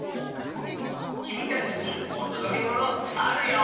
きみたちにおとどけものあるよ！